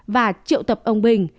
và triệu tập ông bình